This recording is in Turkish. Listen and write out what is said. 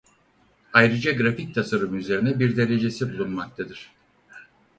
Ayrıca grafik tasarımı üzerine bir derecesi bulunmaktadır.